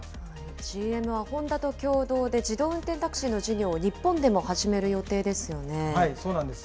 ＧＭはホンダと共同で、自動運転タクシーの事業を日本でも始そうなんです。